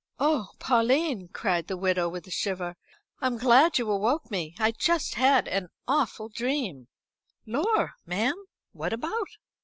"Oh Pauline," cried the widow, with a shiver, "I'm glad you awoke me. I've just had such an awful dream." "Lor', ma'am! What about?"